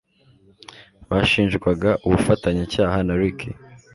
bashinjwaga ubufatanyacyaha na Ricky